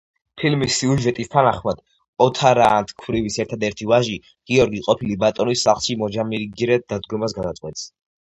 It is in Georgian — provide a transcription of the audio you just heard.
ფილმის სიუჟეტის თანახმად, ოთარაანთ ქვრივის ერთადერთი ვაჟი გიორგი ყოფილი ბატონის სახლში მოჯამაგირედ დადგომას გადაწყვეტს.